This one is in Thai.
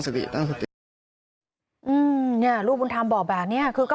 ไม่อยากให้แม่เป็นอะไรไปแล้วนอนร้องไห้แท่ทุกคืน